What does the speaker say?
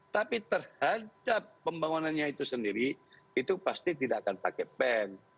tapi terhadap pembangunannya itu sendiri itu pasti tidak akan pakai pen